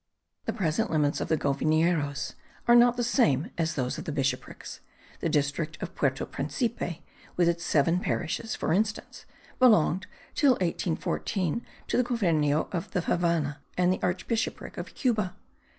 The present limits of the goviernos are not the same as those of the bishoprics. The district of Puerto Principe, with its seven parishes, for instance, belonged till 1814 to the govierno of the Havannah and the archbishopric of Cuba.